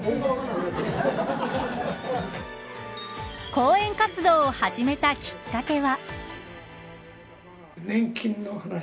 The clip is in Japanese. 講演活動を始めたきっかけは。